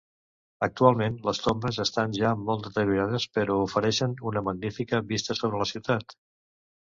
Actualment, les tombes estan ja molt deteriorades però ofereixen una magnífica vista sobre la ciutat.